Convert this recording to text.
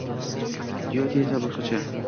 Gyote esa boshqacha